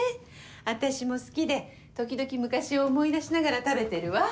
私も好きで時々昔を思い出しながら食べてるわ。